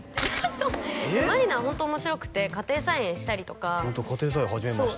そう茉璃奈はホント面白くて家庭菜園したりとかホント「家庭菜園始めました」